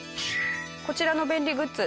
こちらの便利グッズ